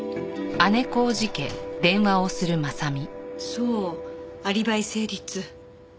そうアリバイ成立。